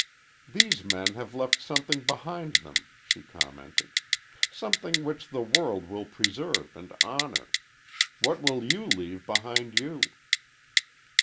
"These men have left something behind them," she commented "something which the world will preserve and honor. What will you leave behind you?"